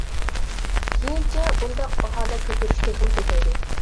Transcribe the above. كېيىنچە بۇنداق ئاھالە كۆچۈرۈش تېخىمۇ كۆپەيدى.